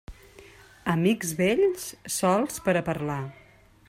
Amics vells, sols per a parlar.